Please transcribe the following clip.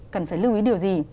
cần phải lưu ý điều gì